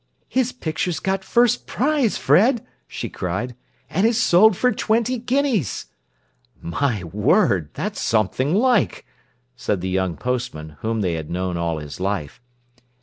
"His picture's got first prize, Fred," she cried, "and is sold for twenty guineas." "My word, that's something like!" said the young postman, whom they had known all his life.